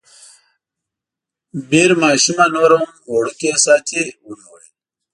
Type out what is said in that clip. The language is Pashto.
بیر ماشومه نوره هم وړوکې ساتي، ومې ویل.